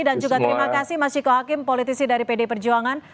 dan juga terima kasih mas jiko hakim politisi dari pd perjuangan